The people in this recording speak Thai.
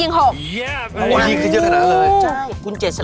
ยิงขึ้นเยอะขนาดเลย